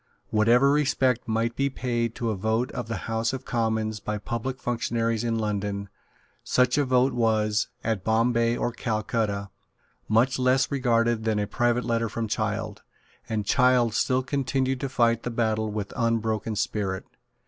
Whatever respect might be paid to a vote of the House of Commons by public functionaries in London, such a vote was, at Bombay or Calcutta, much less regarded than a private letter from Child; and Child still continued to fight the battle with unbroken spirit.